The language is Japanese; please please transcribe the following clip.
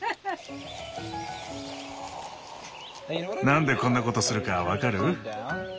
何でこんなことするか分かる？